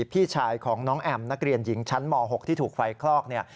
พี่ชายของน้องแอมนักเรียนหญิงชั้นม๖ที่ถูกไฟคลอกเนี่ย